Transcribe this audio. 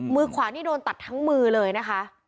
มือขวานี่โดนตัดทั้งมือเลยนะคะ